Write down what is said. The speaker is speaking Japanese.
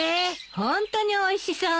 ホントにおいしそうね。